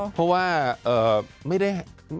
เพราะว่าไม่ได้